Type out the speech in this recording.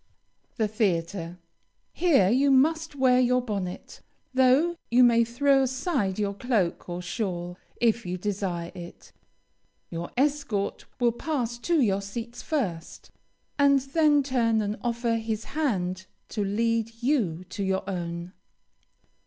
'" THE THEATRE Here you must wear your bonnet, though you may throw aside your cloak or shawl, if you desire it. Your escort will pass to your seats first, and then turn and offer his hand to lead you to your own.